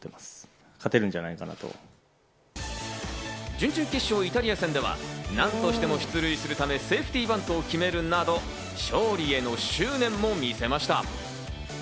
準々決勝のイタリア戦では何としても出塁するためセーフティーバントを決めるなど、勝利への執念も見せました。